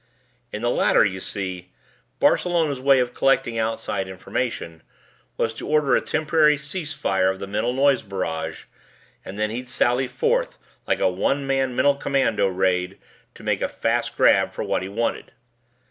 In the latter, you see, Barcelona's way of collecting outside information was to order a temporary cease fire of the mental noise barrage and then he'd sally forth like a one man mental commando raid to make a fast grab for what he wanted.